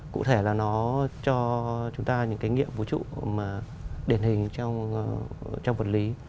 cụ thể là nó cho chúng ta những cái nghiệm vũ trụ mà điển hình trong vật lý